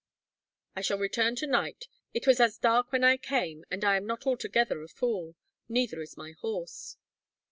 "I shall return to night. It was as dark when I came, and I am not altogether a fool. Neither is my horse."